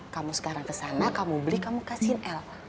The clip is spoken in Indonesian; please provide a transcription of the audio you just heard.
kamu sekarang kesana kamu beli kamu kasihin l